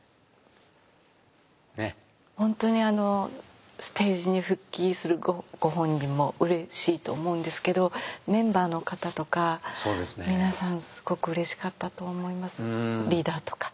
本当にステージに復帰するご本人もうれしいと思うんですけどメンバーの方とか皆さんすごくうれしかったと思いますリーダーとか。